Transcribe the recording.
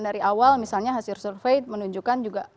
dari awal misalnya hasil survei menunjukkan juga